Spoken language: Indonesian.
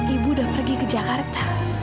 ibu udah pergi ke jakarta